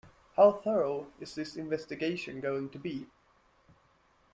How thorough is this investigation going to be?